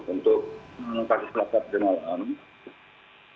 untuk kasus kecelakaan di malam